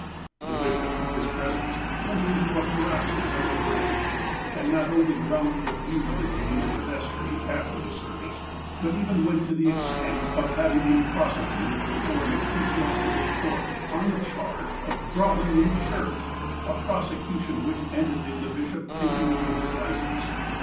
The bishop, who was j)resent, went into a paroxysm of rage, and not only roundly abused the dean in the vestry, after the service, but even went to the extent of having 174 THE APOSTLE OF ALASKA him prosecuted before an ecclesiastical court, ou the charge of "brawling in church," a prosecution which ended in the bishop taking away his license.